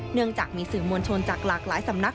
เนื่องจากมีสื่อมวลชนจากหลากหลายสำนัก